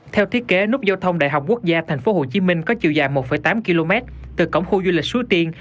theo thiết kế nút giao thông đại học quốc gia tp hcm có chiều dài một tám km từ cổng khu du lịch suối tiên